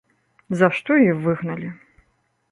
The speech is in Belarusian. За што і выгналі.